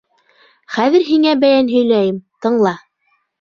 — Хәҙер һиңә бәйән һөйләйем, тыңла.